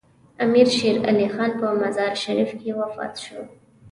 امیر شیر علي خان په مزار شریف کې وفات شو.